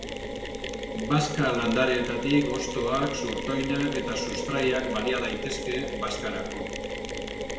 Bazka-landareetatik hostoak, zurtoinak eta sustraiak balia daitezke bazkarako.